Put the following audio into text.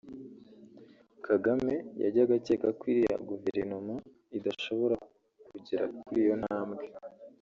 Kagame yajyaga acyeka ko iriya Guverinoma idashobora kugera kuri iyo ntambwe